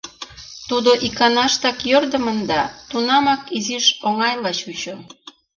Тудо иканаштак йӧрдымын да тунамак изиш оҥайла чучо.